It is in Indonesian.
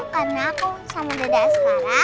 karena aku sama deda asmara